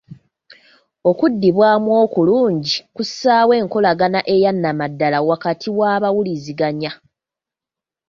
Okuddibwamu okulungi kussaawo enkolagana eyannamaddala wakati w'abawuliziganya.